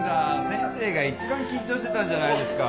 先生が一番緊張してたんじゃないですか。